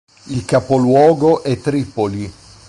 Il capoluogo è Tripoli.